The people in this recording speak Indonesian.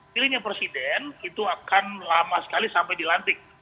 pilihnya presiden itu akan lama sekali sampai dilantik